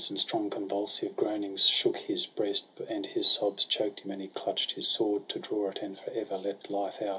And strong convulsive groanings shook his breast, And his sobs choked him; and he clutch'd his sword, To draw it, and for ever let life out.